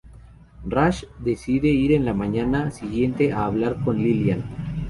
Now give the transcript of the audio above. Raj decide ir en la mañana siguiente a hablar con Lilian.